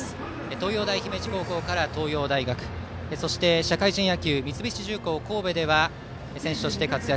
東洋大姫路高校から東洋大学そして、社会人野球三菱重工神戸では選手として活躍